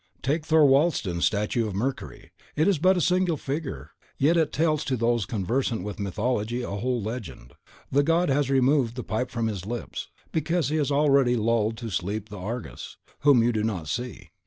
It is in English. Take Thorwaldsen's Statue of Mercury, it is but a single figure, yet it tells to those conversant with mythology a whole legend. The god has removed the pipe from his lips, because he has already lulled to sleep the Argus, whom you do not see.